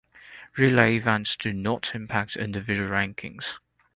Relay events do not impact individual rankings.